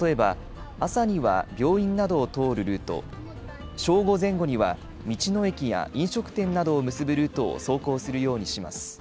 例えば、朝には病院などを通るルート、正午前後には道の駅や飲食店などを結ぶルートを走行するようにします。